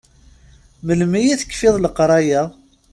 Melmi i tekfiḍ leqraya?